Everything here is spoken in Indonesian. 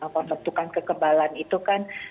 menentukan kekebalan itu kan